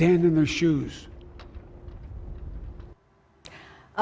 berdiri di dalam kaki mereka